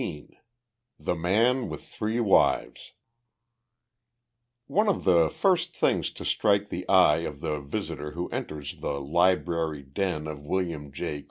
XV THE MAN WITH THREE WIVES One of the first things to strike the eye of the visitor who enters the library den of William J.